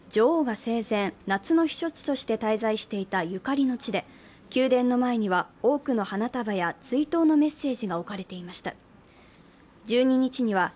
ひつぎが移るホリールード宮殿は女王が生前、夏の避暑地として滞在していたゆかりの地で宮殿の前には多くの花束や追悼のメッセージが置かれていました。